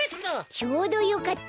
ちょうどよかった。